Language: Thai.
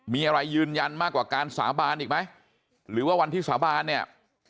มีอะไรยืนยันมากกว่าการสาบานอีกไหมหรือว่าวันที่สาบานเนี่ย